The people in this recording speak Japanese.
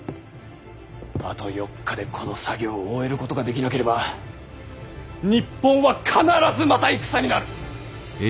あと４日でこの作業を終えることができなければ日本は必ずまた戦になる。